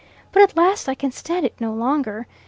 But at last I can stand it no longer.